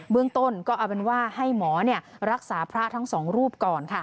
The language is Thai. เมืองต้นก็เอาเป็นว่าให้หมอรักษาพระทั้งสองรูปก่อน